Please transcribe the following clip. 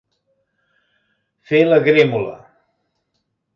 Fer la grémola.